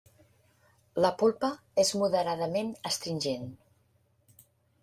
La polpa és moderadament astringent.